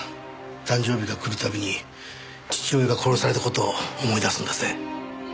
誕生日が来る度に父親が殺された事を思い出すんだぜ。